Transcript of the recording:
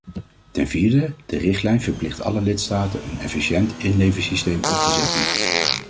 Ten vierde: de richtlijn verplicht alle lidstaten een efficiënt inleversysteem op te zetten.